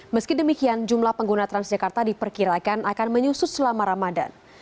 meski demikian jumlah pengguna transjakarta diperkirakan akan menyusut selama ramadan